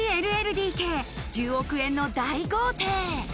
１１ＬＬＤＫ、１０億円の大豪邸。